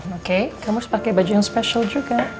kamu harus pake baju yang spesial juga